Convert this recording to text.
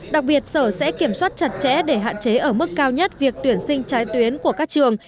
đặc biệt sở sẽ kiểm soát chặt chẽ để hạn chế ở mức cao nhất việc tuyển sinh trái tuyến của các trường